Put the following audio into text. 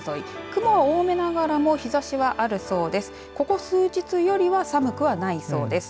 雲は多めながらも日ざしはあるそうです。